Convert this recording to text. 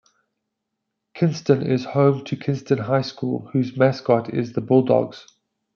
Kinston is home to Kinston High School, whose mascot is the Bulldogs.